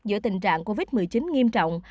giữa tình trạng covid một mươi chín nghiêm trọng